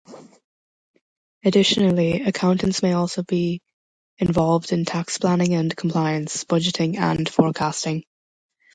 Additionally, accountants may also be involved in tax planning and compliance, budgeting, and forecasting.